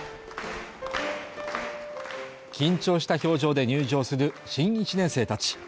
緊張した表情で入場する新一年生たち。